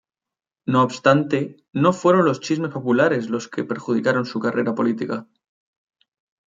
No obstante, no fueron los chismes populares los que perjudicaron su carrera política.